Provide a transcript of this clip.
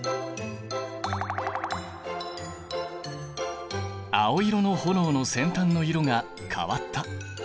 青色の炎の先端の色が変わった！